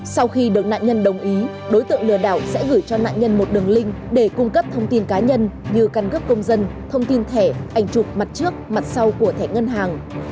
sau khi được nạn nhân đồng ý đối tượng lừa đảo sẽ gửi cho nạn nhân một đường link để cung cấp thông tin cá nhân như căn cước công dân thông tin thẻ ảnh chụp mặt trước mặt sau của thẻ ngân hàng